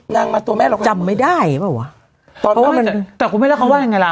นางมาตัวแม่เราก็จำไม่ได้ป่ะว่าตอนแต่กูไม่ได้ความว่ายังไงล่ะ